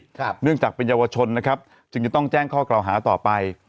เนื่องจากเป็นเยาวชนนะครับจึงจะต้องแจ้งข้อกล่าวหาต่อไป